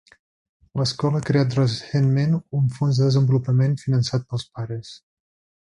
L'escola ha creat recentment un fons de desenvolupament, finançat pels pares.